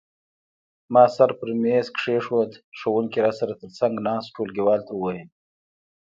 ما سر په مېز کېښود، ښوونکي را سره تر څنګ ناست ټولګیوال ته وویل.